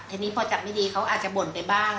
ทีนี้พอจับไม่ดีเขาอาจจะบ่นไปบ้าง